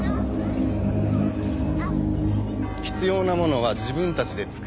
必要なものは自分たちで作る。